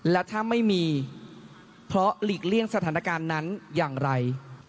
และถ้าไม่มีเพราะหลีกเลี่ยงสถานการณ์นั้นอย่างไร